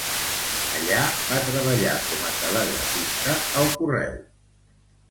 Allà va treballar com a telegrafista al correu.